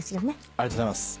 ありがとうございます。